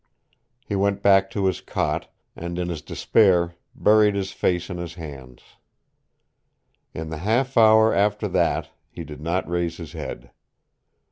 He went back to his cot, and in his despair buried his face in his hands. In the half hour after that he did not raise his head.